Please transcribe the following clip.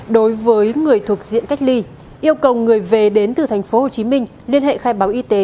đối với người thuộc diện cách ly yêu cầu người về đến từ tp hcm liên hệ khai báo y tế